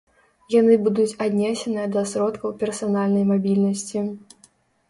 Яны будуць аднесеныя да сродкаў персанальнай мабільнасці.